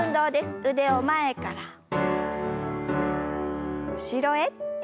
腕を前から後ろへ。